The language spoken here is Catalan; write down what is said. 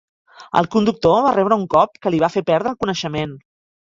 El conductor va rebre un cop que li va fer perdre el coneixement.